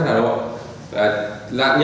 tại hạ bằng thái thất hà nội